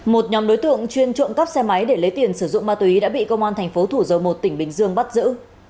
một nhóm đối tượng chuyên trộm cắp xe máy để lấy tiền sử dụng ma túy đã bị công an thành phố thủ dầu một tỉnh bình dương bắt giữ